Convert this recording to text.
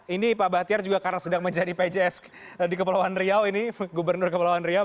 ini pak bahtiar juga karena sedang menjadi pjs di kepulauan riau ini gubernur kepulauan riau